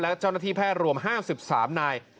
และเจ้าหน้าที่แพทย์รวม๕๓นาย